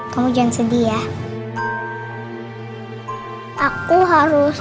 kamu jangan sedih ya aku harus